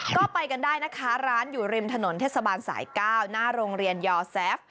ก็ไปกันได้นะคะร้านอยู่ริมถนนเทศบาลสาย๙หน้าโรงเรียนยอแซฟ